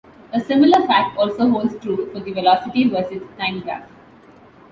A similar fact also holds true for the velocity versus time graph.